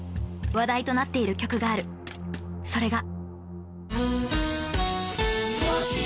話題となっている曲があるそれが